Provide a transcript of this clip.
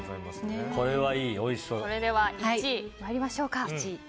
それでは１位参りましょうか。